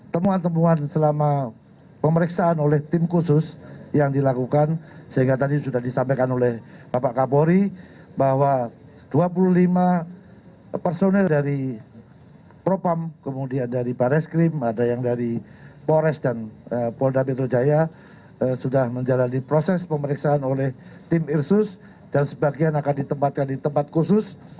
temuan temuan selama pemeriksaan oleh tim khusus yang dilakukan sehingga tadi sudah disampaikan oleh bapak kapolri bahwa dua puluh lima personel dari propam kemudian dari barreskrim ada yang dari pores dan polda metro jaya sudah menjalani proses pemeriksaan oleh tim irsus dan sebagian akan ditempatkan di tempat khusus